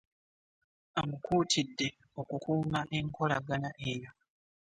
Amukuutide okukuuma enkolagana eyo.